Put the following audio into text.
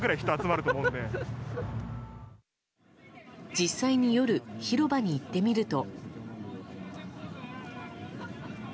実際に夜広場に行ってみると。